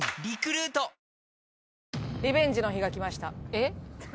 えっ？